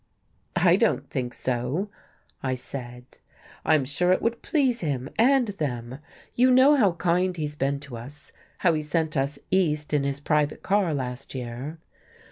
"I don't think so," I said, "I'm sure it would please him, and them. You know how kind he's been to us, how he sent us East in his private car last year."